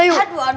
aduh aduh aduh